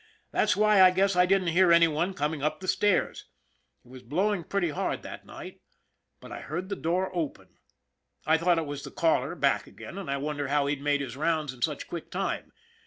That's why, I guess, I didn't hear any one coming up the stairs. It was blowing pretty hard that "IF A MAN DIE" 63 night. But I heard the door open. I thought it was the caller back again, and I wondered how he'd made his rounds in such quick time.